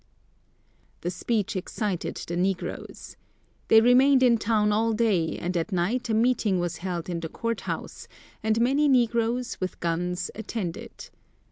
The speech excited the negroes. They remained in town all day, and at night a meeting was held in the court house and many negroes, with guns, attended.